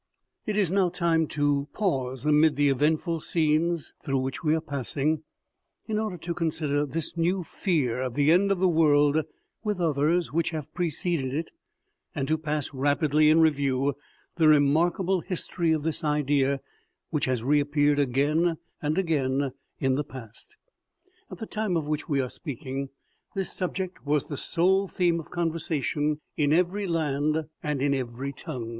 IT is now time to pause, amid the eventful scenes through which we are passing, in order to consider this new fear of the end of the world with others which have preceded it, and to pass rapidly in review the remarkable history of this idea, which has reappeared again and again in the past. At the time of which we are speaking, this subject was the sole theme of conversation in every land and in every tongue.